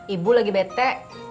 ibu lagi bete